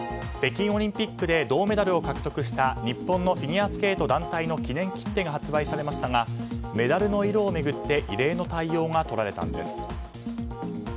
北京オリンピックで銅メダルを獲得した日本のフィギュアスケート団体の記念切手が発売されましたがメダルの色を巡って異例の対応がとられたんです。